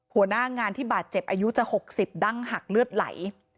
หัวหน้างานที่บาดเจ็บอายุจะ๖๐ดั้งหักเลือดไหล